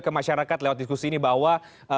ke masyarakat lewat diskusi ini bahwa